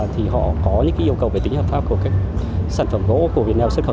thì họ có những yêu cầu về tính hợp pháp của các sản phẩm gỗ của việt nam xuất khẩu